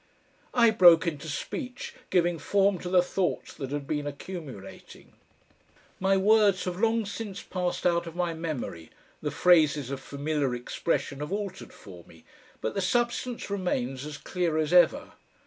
I broke into speech, giving form to the thoughts that had been accumulating. My words have long since passed out of my memory, the phrases of familiar expression have altered for me, but the substance remains as clear as ever.